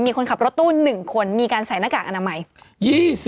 มีคนขับรถตู้๑คนมีการใส่หน้ากากอนามัย